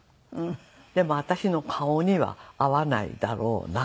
でも私の顔には合わないだろうな。